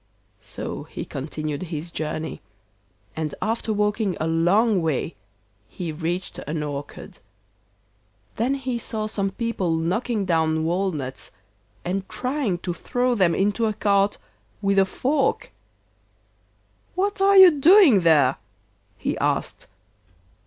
So he continued his journey, and after walking a long way he reached an orchard. Then he saw some people knocking down walnuts, and trying to throw them into a cart with a fork. 'What are you doing there?' he asked.